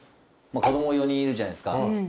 子供４人いるじゃないですか。